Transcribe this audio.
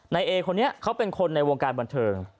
นายเอคนนี้เขาเป็นคนในวงการบันเทิง